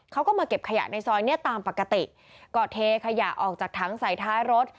เขาก็มาเก็บขยะในซอยเนี้ยตามปกติก็เทขยะออกจากถังใส่ท้ายรถ